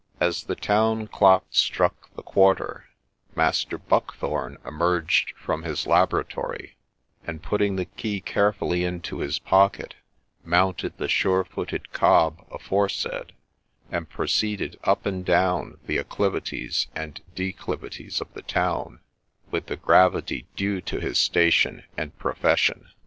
As the town clock struck the quarter, Master Buckthorne emerged from his laboratory, and, putting the key carefully into his pocket, mounted the sure footed cob aforesaid, and proceeded up and down the acclivities and declivities of the town with the gravity due to his station and profession.